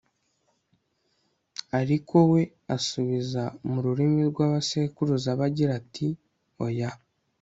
ariko we abasubiza mu rurimi rw'abasekuruza be, agira ati oya